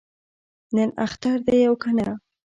نن اختر دی او کنه؟